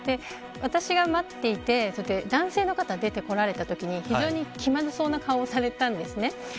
私が待っていて男性の方が出てこられたときに非常に気まずそうな顔をされたんです。